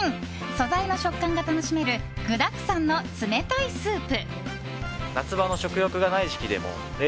素材の食感が楽しめる具だくさんの冷たいスープ。